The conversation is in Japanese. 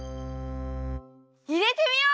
いれてみよう！